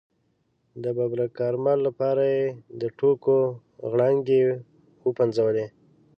د ببرک کارمل لپاره یې د ټوکو غړانګې وپنځولې.